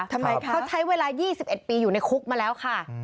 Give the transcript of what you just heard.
ทำไมคะเขาใช้เวลา๒๑ปีอยู่ในคุกมาแล้วค่ะ